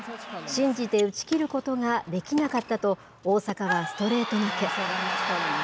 信じて打ち切ることができなかったと、大坂はストレート負け。